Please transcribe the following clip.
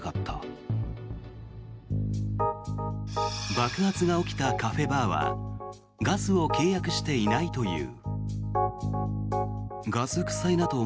爆発が起きたカフェバーはガスを契約していないという。